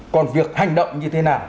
còn việc hành động như thế nào